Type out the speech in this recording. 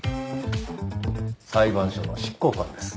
裁判所の執行官です。